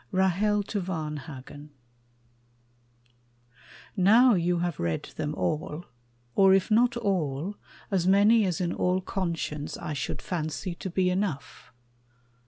Now you have read them all; or if not all, As many as in all conscience I should fancy To be enough.